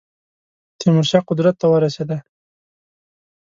تیمور شاه قدرت ته ورسېدی.